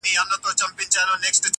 هر سړي ته خدای ورکړی خپل کمال دی-